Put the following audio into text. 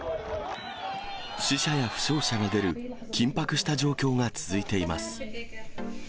死者や負傷者が出る緊迫した状況が続いています。